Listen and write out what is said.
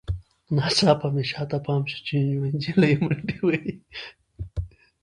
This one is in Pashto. ناڅاپه مې شاته پام شو چې یوه نجلۍ منډې وهي